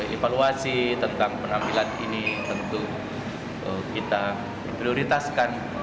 evaluasi tentang penampilan ini tentu kita prioritaskan